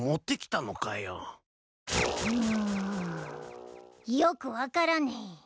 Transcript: うんよく分からねい。